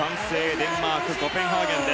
デンマーク・コペンハーゲン。